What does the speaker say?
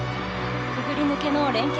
くぐり抜けの連係。